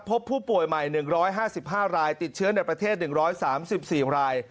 พบผู้ป่วยใหม่๑๕๕รายติดเชื้อในประเทศ๑๓๔ราย